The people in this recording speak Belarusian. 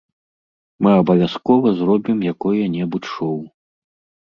Мы абавязкова зробім якое-небудзь шоў!